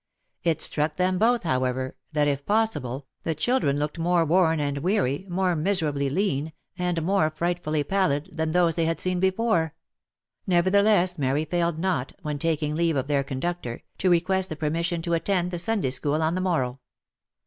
It struck them both, however, that if possible, the children looked more worn and weary, more miserably lean, and more frightfully pallid, than those they had seen before ; nevertheless Mary failed not, when taking leave of their couductor, to request permission to attend the Sunday school on the morrow.